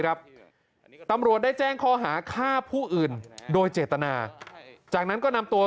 ครับตำรวจได้แจ้งข้อหาฆ่าผู้อื่นโดยเจตนาจากนั้นก็นำตัว